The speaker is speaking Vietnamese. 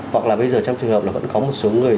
hoặc là bây giờ trong trường hợp là vẫn có một số người